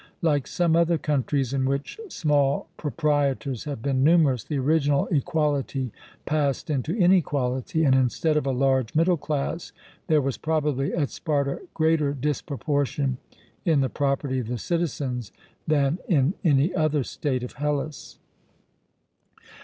Like some other countries in which small proprietors have been numerous, the original equality passed into inequality, and, instead of a large middle class, there was probably at Sparta greater disproportion in the property of the citizens than in any other state of Hellas.